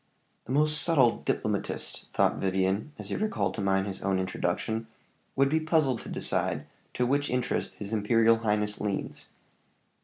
"The most subtle diplomatist," thought Vivian, as he recalled to mind his own introduction, "would be puzzled to decide to which interest his imperial highness leans."